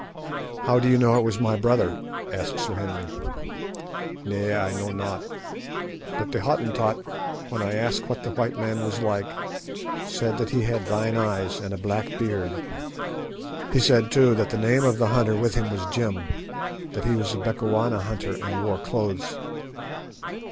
"How do you know it was my brother?" asked Sir Henry. "Nay, I know not. But the Hottentot, when I asked what the white man was like, said that he had thine eyes and a black beard. He said, too, that the name of the hunter with him was Jim; that he was a Bechuana hunter and wore clothes."